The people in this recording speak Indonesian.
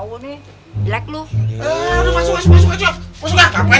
aduh masuk masuk masuk masuk masuk masuk